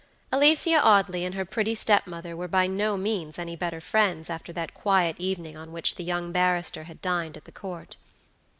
Alicia Audley and her pretty stepmother were by no means any better friends after that quiet evening on which the young barrister had dined at the Court.